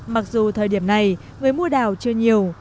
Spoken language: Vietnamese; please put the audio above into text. mặc dù thời điểm này người mua đào chưa nhiều